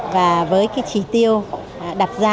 và với trí tiêu đặt ra